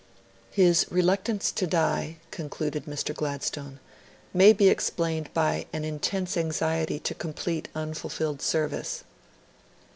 'His reluctance to die,' concluded Mr. Gladstone, 'may be explained by an intense anxiety to complete unfulfilled service.'